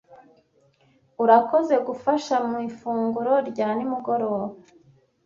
Urakoze gufasha mu ifunguro rya nimugoroba.